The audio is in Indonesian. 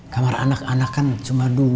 kamar anak anak kan cuma dulu